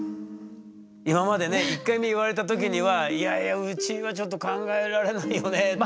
今までね１回目言われた時には「いやいやうちはちょっと考えられないよね」ってなってたけど。